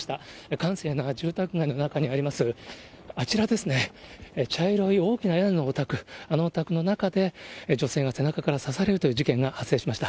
閑静な住宅街の中にあります、あちらですね、茶色い大きな屋根のお宅、あのお宅の中で、女性が背中から刺されるという事件が発生しました。